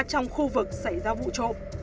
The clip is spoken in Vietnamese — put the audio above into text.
trong khu vực xảy ra vụ trộm